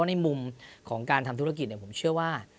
ในการยกงานการทำธุรกิจส่วนใหญ่ผมเชื่อว่า